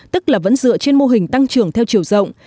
tức là vẫn dựa trên mô hình tăng trưởng theo chiều rộng